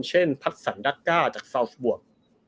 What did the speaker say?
เช่นพัทธรรณดักก้าจากซาวสบวง